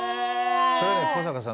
それ古坂さん